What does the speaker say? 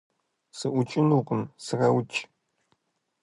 - СыӀукӀынукъым, сраукӀ!